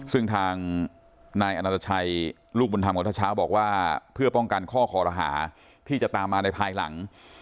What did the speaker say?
ซึ่งทางนายอนัตชัยลูกบุญธรรมของเช้าบอกว่าเพื่อป้องกันข้อคอรหาที่จะตามมาในภายหลัง